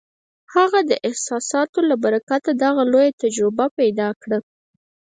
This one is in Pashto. هغه د احساساتو له برکته دغه لویه تجربه پیدا کړه